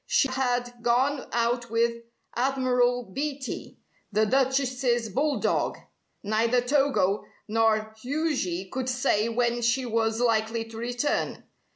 She had gone out with Admiral Beatty, the Duchess's bull dog. Neither Togo nor Huji could say when she was likely to return.